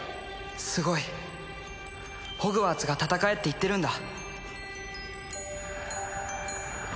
すごいホグワーツが「戦え」って言ってるんだ